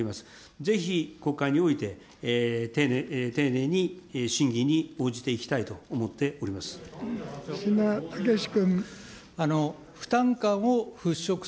ぜひ国会において、丁寧に審議に応じていきたいと思っております。